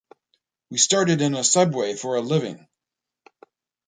We started in a subway for a living.